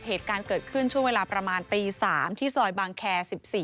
เหตุการณ์เกิดขึ้นช่วงเวลาประมาณตี๓ที่ซอยบางแคร์๑๔